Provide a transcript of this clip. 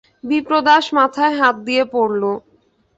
বিপ্রদাস মাথায় হাত দিয়ে পড়ল।